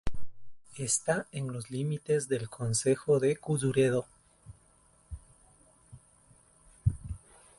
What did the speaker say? Esta en los límites del concejo de Culleredo.